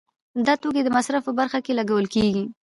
دا توکي د مصرف په برخه کې لګول کیږي.